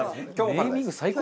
ネーミング最高ですね。